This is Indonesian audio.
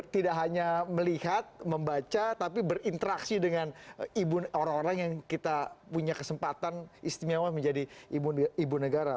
tidak hanya melihat membaca tapi berinteraksi dengan orang orang yang kita punya kesempatan istimewa menjadi ibu negara